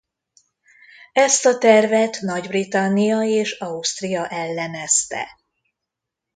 Ezt a tervet Nagy-Britannia és Ausztria ellenezte.